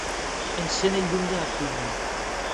Encén el llum de la cuina.